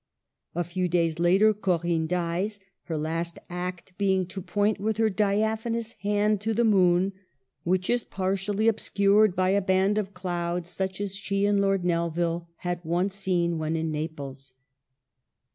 A few days later Corinne dies, her last act being to point with her diaphanous hand to the moon, which is partially Digitized by VjOOQLC HER WORKS. 233 obscured by a band of cloud such as she and Lord Nelvil had once seen when in Naples.